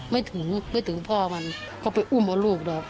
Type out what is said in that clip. ไม่ถึงไม่ถึงพ่อมันเขาไปอุ้มลูกแล้ว